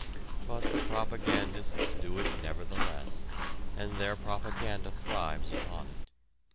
But the propagandists do it nevertheless, and their propaganda thrives upon it.